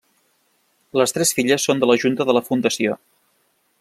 Les tres filles són de la junta de la Fundació.